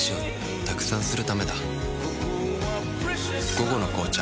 「午後の紅茶」